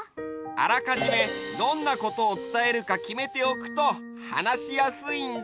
あらかじめどんなことをつたえるかきめておくとはなしやすいんだ。